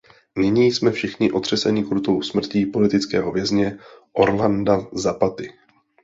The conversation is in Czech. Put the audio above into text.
Nyní jsme všichni otřeseni krutou smrtí politického vězně, Orlanda Zapaty.